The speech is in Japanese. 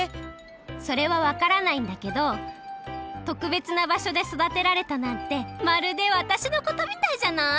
それはわからないんだけどとくべつな場所でそだてられたなんてまるでわたしのことみたいじゃない？